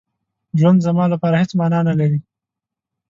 ژوند زما لپاره هېڅ مانا نه لري.